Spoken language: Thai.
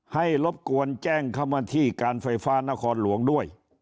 รบกวนแจ้งเข้ามาที่การไฟฟ้านครหลวงด้วย